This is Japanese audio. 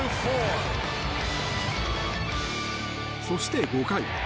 そして、５回。